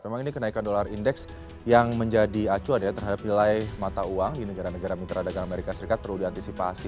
memang ini kenaikan dolar indeks yang menjadi acuan ya terhadap nilai mata uang di negara negara mitra dagang amerika serikat perlu diantisipasi